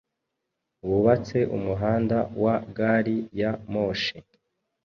wubatse umuhanda wa gari ya moshi.